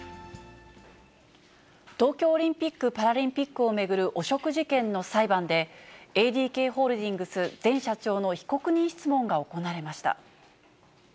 東京オリンピック・パラリンピックを巡る汚職事件の裁判で、ＡＤＫホールディングス前社長の被告人質問が行われました。